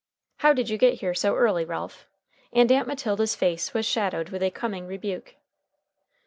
"How did you get here so early, Ralph?" and Aunt Matilda's face was shadowed with a coming rebuke.